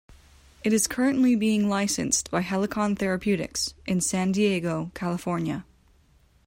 It is currently being licensed by Helicon Therapeutics in San Diego, California.